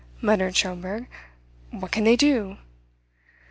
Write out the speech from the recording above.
muttered Schomberg. "What can they do?"